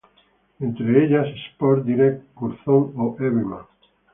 Entre ellas Sports Direct, Curzon o Everyman.